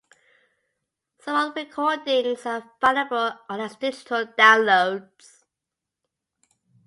Some of the recordings are available only as digital downloads.